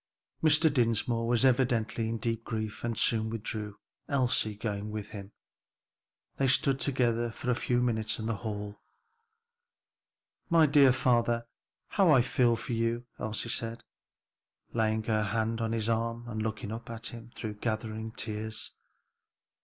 Mr. Dinsmore was evidently in deep grief and soon withdrew, Elsie going with him. They stood together for a few minute in the hall. "My dear father, how I feel for you!" Elsie said, laying her hand on his arm and looking up at him through gathering tears.